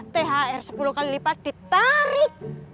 thr sepuluh kali lipat ditarik